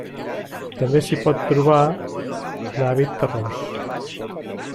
També s'hi pot trobar en hàbit terrós.